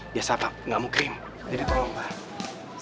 biasa pak enggak mau krim jadi tolong saya pergi ya